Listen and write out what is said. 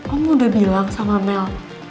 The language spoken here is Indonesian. kamu udah bilang sama mel